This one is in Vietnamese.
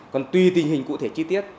còn tuy tình hình cụ thể chi tiết